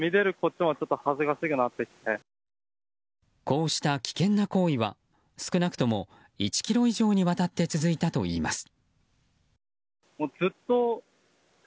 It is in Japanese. こうした危険な行為は少なくとも１ｋｍ以上にわたって続いたといいます。